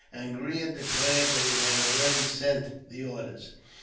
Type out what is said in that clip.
Angria declared that he had already sent the orders.